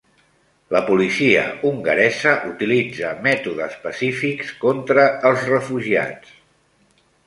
La policia hongaresa utilitza mètodes pacífics contra els refugiats